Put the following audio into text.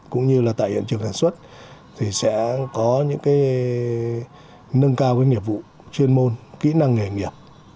cũng như là tại hiện trường sản xuất thì sẽ có những cái nâng cao cái nghiệp vụ chuyên môn kỹ năng nghề nghiệp